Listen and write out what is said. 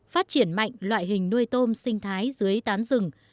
phát triển mạnh loại hình nuôi tôm sinh thái dưới tán rừng